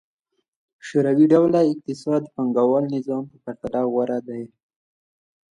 شوروي ډوله اقتصاد د پانګوال نظام په پرتله غوره دی.